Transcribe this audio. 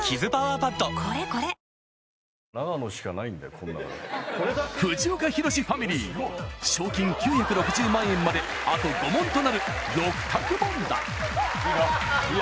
こん中で藤岡弘、ファミリー賞金９６０万円まであと５問となる６択問題いいな？